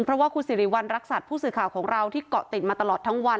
เพราะว่าคุณสิริวัณรักษัตริย์ผู้สื่อข่าวของเราที่เกาะติดมาตลอดทั้งวัน